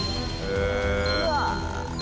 うわ。